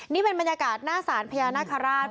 นี่เป็นบรรยากาศหน้าศาลพญานาคาราช